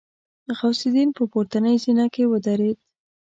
غوث الدين په پورتنۍ زينه کې ودرېد.